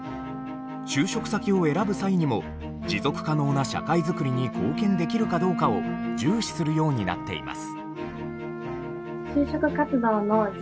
就職先を選ぶ際にも持続可能な社会づくりに貢献できるかどうかを重視するようになっています。